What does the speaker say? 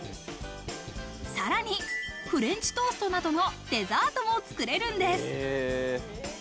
さらに、フレンチトーストなどのデザートも作れるんです。